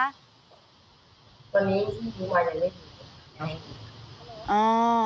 วันนี้ช่วยดีกว่ายังไม่ได้